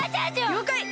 りょうかい！